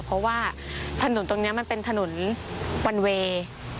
เพราะว่าถนนตรงนี้มันเป็นถนนวันเวย์